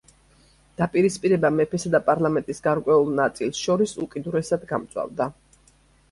დაპირისპირება მეფესა და პარლამენტის გარკვეული ნაწილის შორის უკიდურესად გამწვავდა.